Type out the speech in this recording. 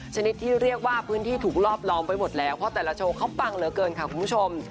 ชนิดที่เรียกว่าพื้นที่ถูกรอบล้อมไว้หมดแล้วเพราะแต่ละโชว์เขาปังเหลือเกินค่ะคุณผู้ชม